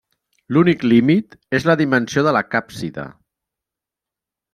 L'únic límit és la dimensió de la càpsida.